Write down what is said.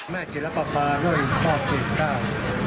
แม่จิรปฟาโดยพ่อจิตก้าว